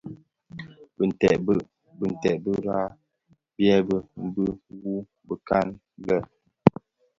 Binted bira byèbi mbi wu bëkan lè.